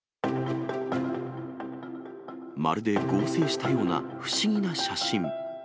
まるで合成したような不思議な写真。